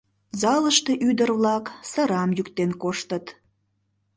Залыште ӱдыр-влак сырам йӱктен коштыт.